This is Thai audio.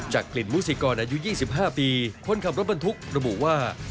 จากผลิตมฮูสิกรอายุวิทย์๒๕ปีคนขับรถบรรทุกระบว่า